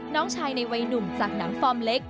น้องชายในวัยหนุ่มจากหนังฟอร์มเล็ก